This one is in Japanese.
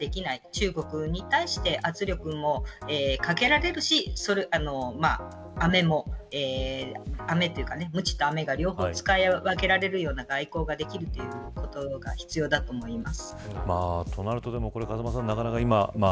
中国に対して圧力もかけられるしムチとアメが両方使い分けられるような外交ができるということが必要だと思います。